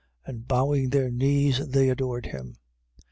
And bowing their knees, they adored him.